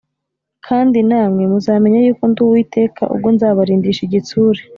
kandi namwe muzamenya yuko ndi Uwiteka, ubwo nzabarindisha igitsure